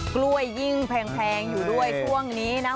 กล้วยยิ่งแพงอยู่ด้วยช่วงนี้นะ